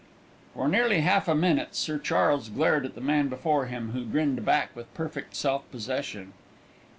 For nearly half a minute Sir Charles glared at the man before him, who grinned back with perfect self possession.